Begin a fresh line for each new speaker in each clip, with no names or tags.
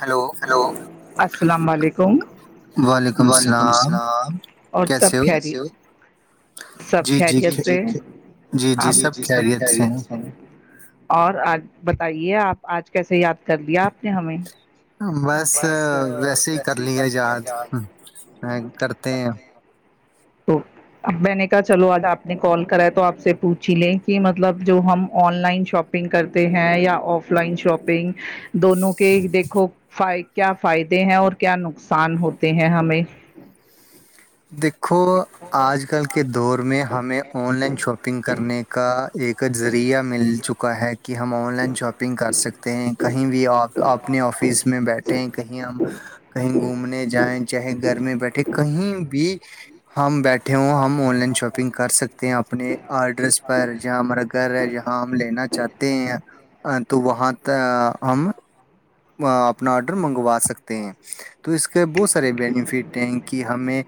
Hello
hello السلام علیکم وعلیکم السلام اور سب کہے ہو سب
جی جی
خریت
خ-
سے جی جی سب خریت سے اور آج بتائیے آپ آج کیسے یاد کر دیا آپ نے ہمیں
بس ویسے ہی کر لیے یاد کرتے ہیں
تو اب میں نے کہا چلو آج آپ نے کال کرا ہے تو آپ سے پوچھ ہی لیں کہ مطلب جو ہم آن لائن شاپگ شنگ کرتے ہیں یا آف لائن شاپنگ دونوں کے دیکھو کیا فائدے ہیں اور کیا نقصان ہوتے ہیں ہمیں
دیکھو آج کل کے دور میں ہمیں آن لائن شاپنگ کرنے کا ایک ذریعہ مل چکا ہے کہ ہم آن لائن شاپنگ کر سکتے ہیں کہیں بھی آ اپنے آفس میں بیٹھ کہیں ہم کہیں گھومنے جائیں چاہے گھر میں بیٹھے کہیں بھی ہم بیٹھے ہوں ہم آن لائن شاپنگ کر سکتے ہیں اپنے ایڈریس پر جہاں ہمارا گھر ہے جہاں ہم لینا چاہتے ہیں تو وہاں ہم اپنا آڈر منگوا سکتے ہیں تو اس کے بہت سارے بینیفٹ ہیں کہ ہمیں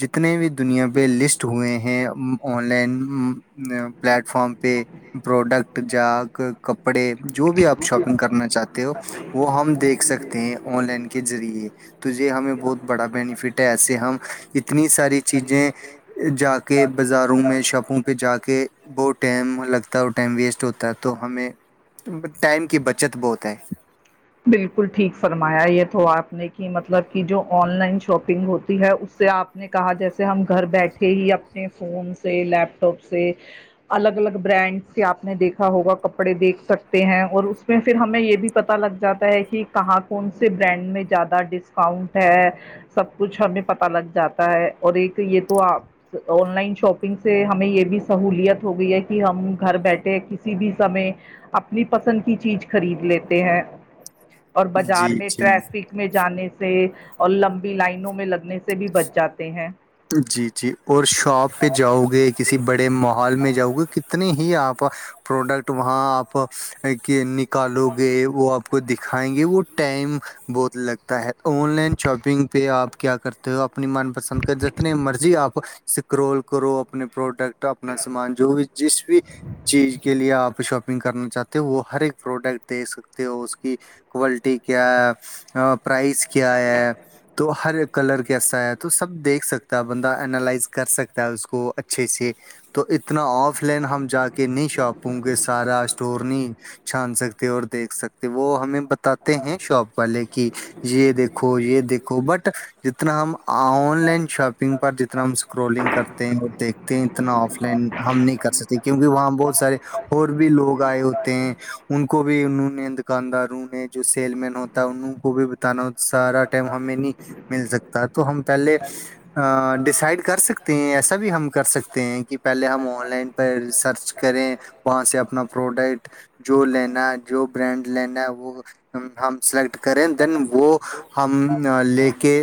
جتنے بھی دنیا پہ لسٹ ہوئے ہیں آن لائن پلیٹ فارم پہ پروڈکٹ جا کپڑے جو بھی آپ شاپنگ کرنا چاہتے ہو وہ ہم دیکھ سکتے ہیں آن لائن کے ذریعے تو یہ ہمیں بہت بڑا بینیفٹ ہے ایسے ہم اتنی ساری چیزیں جا کے بازاروں میں شاپوں پہ جا کے بوٹ ٹائم لگتا ہے ہو ٹائم ویسٹ ہوتا ہے تو ہمیں ٹائم کی بچت بہت ہے
بالکل ٹھیک فرمایا یہ تو آپ نے کہ مطلب کہ جو آن لائن شاپنگ ہوتی ہے اس سے آپ نے کہا جیسے ہم گھر بیٹھے ہی اپنے فون سے لیپ ٹاپ سے الگ الگ برانڈ سے آپ نے دیکھا ہوگا کپڑے دیکھ سکتے ہیں اور اس میں پھر ہمیں یہ بھی پتا لگ جاتا ہے کہ کہاں کون سے برانڈ میں زیادہ ڈسکاؤنٹ ہے سب کچھ ہمیں پتا لگ جاتا ہے اور ایک یہ تو آپ آن لائن شاپنگ سے ہمیں یہ بھی سہولیت ہو گئی ہے کہ ہم گھر بیٹھے کسی بھی سمے اپنی پسند کی چیز خرید لیتے ہیں اور بازار
جی
میں
جی
ٹریفک میں جانے سے اور لمبی لائنوں میں لگنے سے سے بھی بچ جاتے ہیں
جی جی اور شاپ پہ جاؤ گے کسی بڑے محال میں جاؤ گے ک اتنی ہی آپ پروڈکٹ وہاں آپ کے نکالو گے وہپ دکھائیں گے وہ ٹائم بہت لگتا ہے آن لائن شاپنگ پہ آپ کیا کرتے اپنی من پسند کر جتنے مرضی آپ سکرول کرو اپنے پروڈکٹ ا اپنا سامان جو بھی جس بھی چیز کے لیے آپ شاپنگ کرنا چاہتے ہو وہ ہر ایک پروڈکٹ دے سکتے ہو اس کی کوالٹی کیا ہے پرائز کیا ہے تو ہر کلر کی کیسا ہے تو سب دیکھ سکتا ہے بندہ االائز کر سکتا ہے اس کو اچھے سے تو اتنا آف لائن ہم جا کے نہیں شاپوں گے سارا اسٹور نہیں چھان سکتے اور دیکھ سکتے وہ ہمیں بتاتے ہیں شاپ والے کی یہ دیکھو یہ دیکھو بٹ اتنا ہم آن لائن شاپنگ پر جتنا ہم اسکرولنگ کرتے ہیں اور دیکھتے ہیں اتنا آف لائن ہم نہیں کر سکتے کیونکہ وہاں بہت سارے اور بھی لوگ آئے ہوتے ہیں ان کو بھی انہوں نے دکانداروں نے جو سیل مین ہوتا ہے انہوں کو بھی بتانا ہو سارا ٹائم ہمیں نہیں مل سکتا ہے تو ہم پہلے ڈسائڈ کر سکتے ہیں ایسا بھی ہم کر سکتے ہیں کہ پہلے ہم آن لائن پرہ سرچ کریں وہاں سے اپنا پروڈکٹ جو لینا جو برانڈ لینا ہے وہ ہم سلیکٹ کریں دین وہ ہم لے کے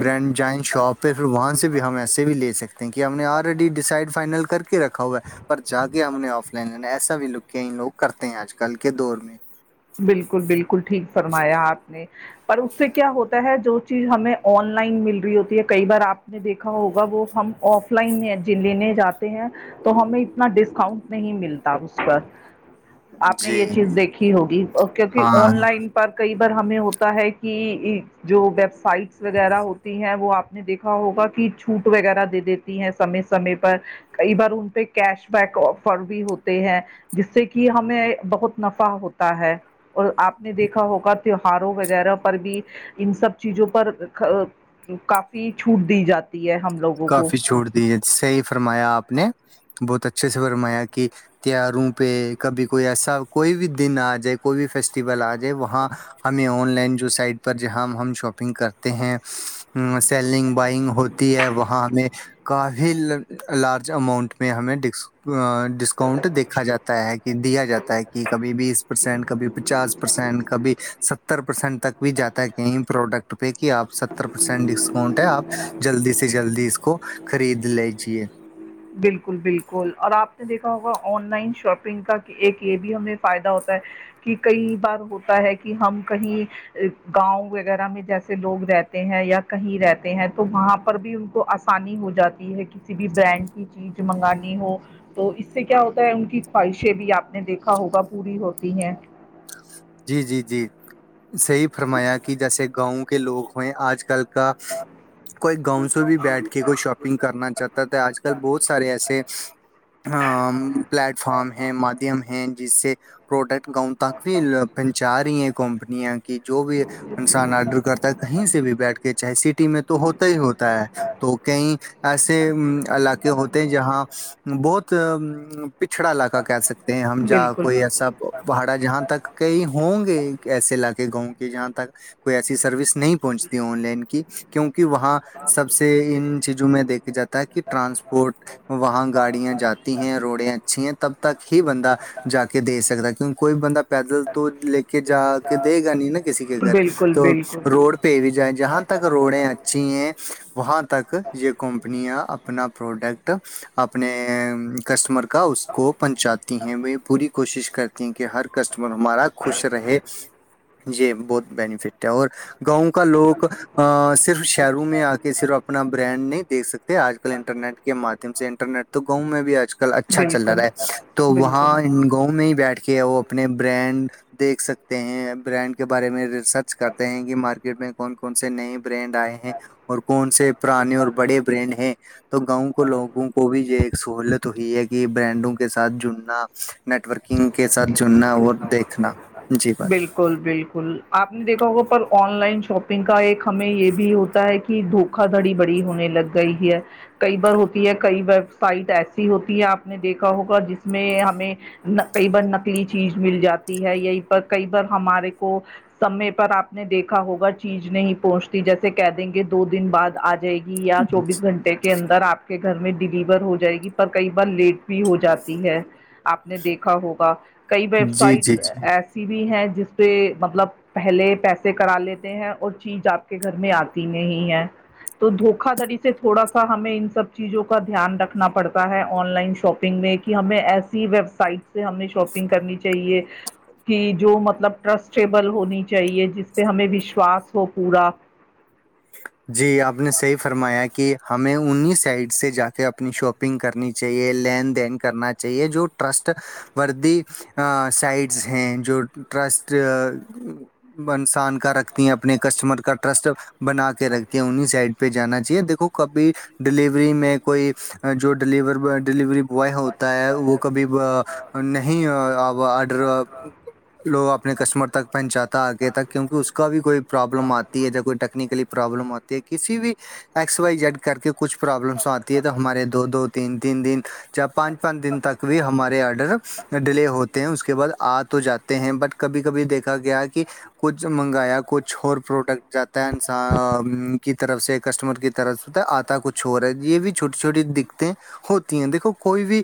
برنڈ جائن شاپ پہ پھر وہاں سے بھی ہم ایسے بھی لے سکتے ہیں کہ ہم نے آلرییڈی ڈسائڈ فائنل کر کے رکھا ہوا پر جا کے ہم نے آف لائن لینا ایسا بھی لک لوگ کرتے ہیں آج کل کے دور میں
بالکل بالکل ٹھیک فرمایا آپ نے پر اس سے کیا ہوتا ہے جو چیز ہمیں آن لائن مل رہی ہوتی ہے کئی بار آپ نے دیکھا ہوگا وہ ہم آف لائن لینے جاتے ہیں تو ہمیں اتنا ڈسکاؤنٹ نہیں ملتا اس پر آپ نے
جی
یہ چیز دیکھی ہوگی کیونکہ
ہاں
آن لائن پر کئی بار ہمیں ہوتا ہے کہ جو ویب سائٹس وغیرہ ہوتی ہیں وہ آپ نے دیکھا ہوگا کہ چھوٹ وغیرہ دے دیتی ہیں سمے سمے پر کئی بار ان پہ کیش بیک آفر بھی ہوتے ہیں جس سے کہ ہمیں بہت نفع ہوتا ہے اور آپ نے دیکھا ہوگا تیوہاروں وغیرہ پر بھی ان سب چیزوں پر تو کافی چھوٹ دی جاتی ہے ہم لوگوں کو
کافی چھوڑ دی ہے صحی فرمایا آپ نے بہت اچھے سے فرمایا کہ تیواروں پہ کبھی کوئی ایسا کوئی بھی دن آ جائے کوئی بھی فیسٹیول آ جائے وہاں ہمیں آن لائن جو سائٹ پر جہاں ہم شاپنگ کرتے ہیں سیلنگ بائنگ ہو ہے وہاں ہمیں کافی لارج اماؤنٹ میں ہمیں ڈ ڈسک اؤنٹ دیکا جاتا ہے کہ دیا جاتا ہے کہ کبھی بیس پرسینٹ کبھی پچاس پرسینٹ کبھی س ستر پرسینٹ تک بھی جاتا ہے کہیں پروڈکٹ پہ کہ آپ ستر پرسینٹ ڈسکاؤنٹ ہے آپ جلدی سے جلدی اس کو خرید لیجیے
بالکل بالکل اور آپ نے دیکھا ہوگا آن لائن شاپنگ کا ایک یہ بھی ہمیں فائدہ ہوتا ہے کہ کئی بار ہوتا ہے کہ ہم کہیں گاؤں وغیرہ میں جیسے لوگ رہتے ہیں یا کہیں رہتے ہیں تو وہاں پر بھی ان کو آسانی ہو جاتی ہے کسی بھی برانڈ کی چیز منگانی ہو تو اس سے کیا ہوتا ہے ان کی خواہشیں بھی آپ نے دیکھا ہوگا پوری ہوتی ہیں
جی جی جی صحی فرمایا کہ جیسے گاؤں کے لوگ ہوئے آج کل کا
التا
کوئی گاؤں سے بھی بیٹھ کے کوئی شاپنگ کرنا چاہتا ہے تو آج کل بہت سارے ایسے پلیٹ فارم ہیں مادھیم ہیں جس سے پروڈکٹ گؤں تک بھی پنچا کمپنییا کہ جو بھی انسان آڈر کرتا ہے کہیں سے بھی بیٹھ کے چاہے سٹی میں تو ہوتا ہی ہوتا ہے تو کئی ایسے علاقے ہوتے جہاں بہت پچھڑا علاقہ کہ سکتے ہیں ہم جا کوئی ایسا پہاڑا جہاں تک کہئی ہوں گے ایسے علاقے گاؤں کے جہاں تک کوئی ایسی سروس نہیں پہنچتی آن لائن کی کیوںکہ وہاں سب سے
بالکل
ان چیزوں میں دیکھا جاتا ہے کہ ٹرانسپورٹ وہاں گاڑیاں جاتی ہیں روڈیں اچھی ہیں تب تک ہی بندہ جا کے دے سکتا ہے کیونکہ کوئی بندہ پیدل تو لے کے جا کے دے گا نہیں نا کسی کے گھر
بالکل
تو
بالکل
روڈ پہ بھی جائیں جہاں تک روڈیں اچھی ہیں وہاں تک یہ کمپنیاں اپنا پروڈکٹ اپنے کسٹمر کا اس کو پہنچاتی ہیں وہ پوری کوشش کرتی ہیں کہ ہر کسٹمر ہمارا خوش رہے یہی بہت بینفٹ ہے اور گاؤں کا لوگ صرف شہروں میں آ کے صرف اپنا برانڈ نہیں دیک سکتے آج کل انٹرنیٹ کے مادھیم سے انٹرنیٹ تو گاؤں میں بھی آج کل اچھا چل رہا ہے تو وہاں گاؤں میں ہی بیٹھ کے وہ اپنے برانڈ دیکھ سکتے ہیں برانڈ کے بارے میں سرچ کرتے ہیں کہ مارکیٹ میں کون کون سے نئے برانڈ آئے ہیں اور کون سے سے پرانیے اور بڑے بریڈ ہیں تو گاؤں کو لوگوں کو بھی یہ ایک سہولت تو یہ ہے کہ برانڈوں کے ساتھ جڑنا نیٹورکنگ کے ساتھ جڑنا اور دیکھنا جی بات
بالکل بالکل بالکل آپ نے دیکھا ہوگا پر آن لائن شاپنگ کا ایک ہمیں یہ بھی ہوتا ہے کہ د دکھا دھڑی بڑی ہونے لگ گئی ہے کئی بار ہوتی ہے کئی ویب سائٹ ایسی ہوتی ہے آپ نے دیکھا ہوگا جس میں ہمیں کئی بار نکلی چیز مل جاتی ہے یہی پر کئی بار ہمارے کو سمے پر آپ نے دیکھا ہوگا چیز نہیں پہنچتی جیسے کہ دیں گے دو دن بعد آ جائے گی یا چوبیس گھنٹے کے اندر آپ کے گھر میں ڈلیور ہو جائے گی پر کئی بار لیٹ بھی ہو جاتی ہے آپ نے دیکھا ہوگا کئی ویب
جی، جی،
سائٹ
جی۔
ایسی بھی ہیں جس پہ مطلب پہلے پیسے کرا لیتے ہیں اور چیز آپ کے گھر میں آتی نہیں ہے تو دھوکا دڑی سے تھوڑا سا ہمیں ان سب چیزوں کا دھیان رکھنا پڑتا ہے آن لائن شاپنگ میں ہمیں ایسی ویب سائٹ سے ہمیں شاپنگ کرنی چاہیے کہ جو مطلب ٹرسٹیبل ہونی چاہیے جس پہ ہمیں وشواس ہو پورا
جی آپ نے صحی فرمایا کہ ہمیں انہیں سائڈ سے جا کے اپنی شاپنگ کرنی چاہیے لین دین کرنا چاہیے جو ٹرسٹ وردی سائٹس ہیں جو ٹرسٹ سان کا رکھتی ہیں اپنے کسٹمر کا ٹرسٹ بنا کے رکھتی ہیں انہیں سائڈ پہ جانا چاہیے دیکھو کبھی ڈیلیوری میں کوئی جو ڈلیورو ڈلیوری وہ ہوتا ہے وہ کبھی نہیں آڈر لوگ اپنے کسٹمر تک پہنچاتا ہے آگے تک کیونکہ اس کا بھی کوئی پروابلم آتی ہے کوئی ٹیکنیکلی پرابلم آتی ہے کسی بھی ایکس وائی جیڈ کر کے کچھ پروابلمس آتی ہے تو ہمارے دو دو تین تین دن جب پانچ کند دن تک بھی ہمارے آرڈر ڈیلے ہوتے ہیں اس کے بعد آ تو جاتے ہیں بٹ کبھی کبھی دیکھا گیا کہ کچھ منگایا کچھ اور پروڈکٹ جاتا ہے ان سے کی طرف سے کسٹمر کی طرف سے آتا کچھ ہو رہا ہے یہ بھی چھوٹی چھوٹی دقتیں ہوتی ہیں دیکھو کوئی بھی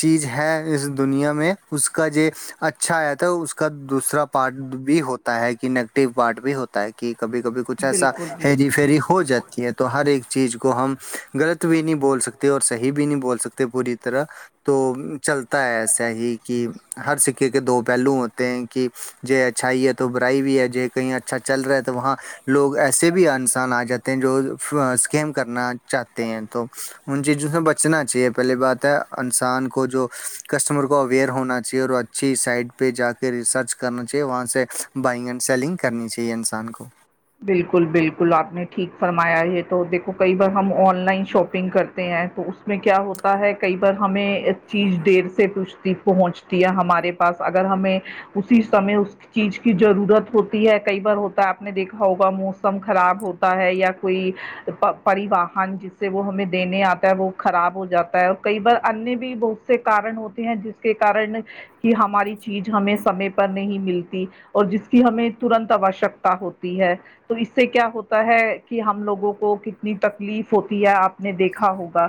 چیز ہے اس دنیا میں اس کا جو اچھا آیا تو اس کا دوسرا پارٹ بھی ہوتا ہے کہ نگیٹو پارٹ بھی ہوتا ہے کہ کبھی کبھی کچھ ایسا
بالکل
ہے جی فیری ہو جاتی ہے تو ہر ایک چیز کو ہم غلط بھی نہیں بول سکتے اور صحیح بھی
بالکل
نہیں بول سکتے پوری طرح تو چلتا ہے ایسا ہی کہ ہر سکے کے دو پہلو ہوتے ہیں کہ یہ اچھائیت تو برائی بھی ہے ج کہیں اچھا چل رہا ہے تو وہاں لوگ ایسے بھی انسان آ جاتے ہیں جو اسکیم کرنا چاہتے ہیں تو ان چیزوں سے بچنا چاہیے پہلی بات ہے انسان کو جو کسٹمر کو اوئر ہونا چاہیے اور اچھی سائٹ پہ جا کے ریسرچ کرنا چاہیے وہاں سے بائنگ اینڈ سیلنگ کرنی چاہیے انسان کو
بالکل بالکل آپ نے ٹھیک فرمایا یہ تو دیکھو کئی بار ہم آن لائن شاپنگ کرتے ہیں تو اس میں کیا ہوتا ہے کئی بار ہمیں چیز دیر سے پچ پہنچتی ہے ہمارے پاس اگر ہمیں اسی سے اس چیز کی ضرورت ہوتی ہے کئی بار ہوتا ہے آپ نے دیکھا ہوگا موسم خراب ہوتا ہے یا کوئی پریواہن جس سے وہ ہمیں دینے آتا ہے وہ خراب ہو جاتا ہے اور کئی بار انیہ بھی بہت سے کارن ہوتے ہیں جس کے کارن کہ ہماری چیز ہمیں سمے پر نہیں ملتی اور جس کی ہمیں ترنت آوشکتا ہوتی ہے تو اس سے کیا ہوتا ہے کہ ہم لوگوں کو کتنی تکلیف ہوتی ہے آپ نے دیکھا ہوگا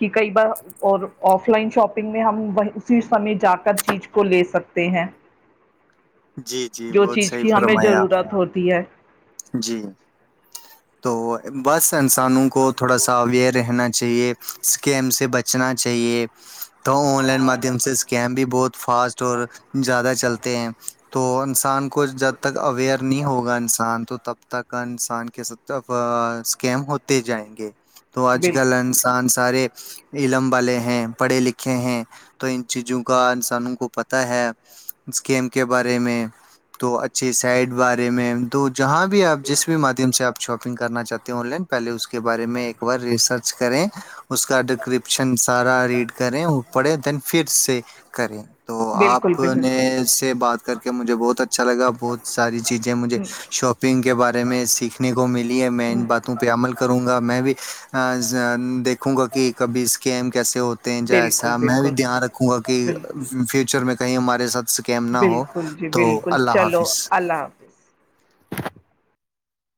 کہ کئی بار اور آف لائن شاپ ہم وہ اسی سمے جا کر چیز کو لے سکتے ہیں
جی جی
جو
بہت
چیز
صحیح
کی ہمیں
فرمایا آپ
ضرورت
نے
ہوتی ہے
جی تو بس انسانوں کو تھوڑا سا اویئر رہنا چاہیے اسکیم سے بچنا چاہیے تو آن لائن مادھیم سے اسکیم بھی بہت فاسٹ اور زیادہ چلتے ہیں تو انسان کو جد تک اویئر نہیں ہوگا انسان تو تب تک انسان کے س اسکیم ہوتے جائیں گے تو اج
بالکل
کل انسان سارے علم والے ہیں پڑھے لکھے ہیں تو ان چیزوں کا انسانوں کو پتا ہے اسکیم کے بارے میں تو اچھی سائڈ بارے میں دو جہاں بھی آپ جس بھی مادھیم سے آپ شاپنگ کرنا چاہتے ہو آن لائن پہلے اس کے بارے میں ایک بار ریسرچ کریں اس کا ڈکپشن سارا ریڈ کریں وہ پڑھے دین فھر سے کریں تو
بالکل
آپ
بالکل
نے سے بات کر کے مجھے بہت اچھا اچھا لگا بہت ساری چیزیں مجھے شاپنگ کے بارے میں سیکھنے کو ملی ہے میں ان باتوں پہ عمل کروں گا میں بھی دیکھوں گا کہ کبھی اس کے ایم کیسے ہو جا
بالکل
ایسا میں بھی
بالکل
دھیان رکھوں گا کہ
بالکل
فیوچر میں کہیں ہمارے ساتھ اسکیم نہ ہو
بالکل جی
تو
بالکل
اللہ
چلو
حافظ
اللہ حافظ